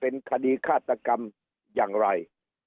เป็นคดีฆาตกรรมอย่างไร